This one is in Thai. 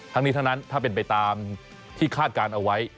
ทั้งนี้ทั้งนั้นถ้าเป็นไปตามที่คาดการณ์เอาไว้